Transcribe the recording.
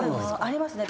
ありますね。